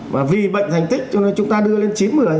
và vì bệnh thành tích cho nên chúng ta đưa lên chín mươi